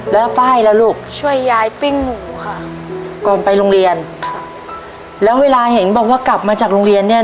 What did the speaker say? ทับผลไม้เยอะเห็นยายบ่นบอกว่าเป็นยังไงครับ